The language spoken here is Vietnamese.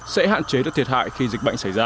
sẽ hạn chế được thiệt hại khi dịch bệnh xảy ra